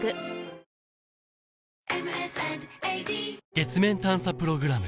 月面探査プログラム